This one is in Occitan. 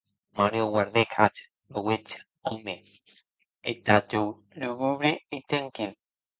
Mario guardèc ad aqueth òme; estaue lugubre e tranquil.